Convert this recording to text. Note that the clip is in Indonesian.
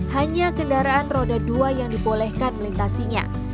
hanya kendaraan roda dua yang dibolehkan melintasinya